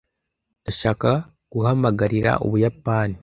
Ndashaka guhamagarira Ubuyapani.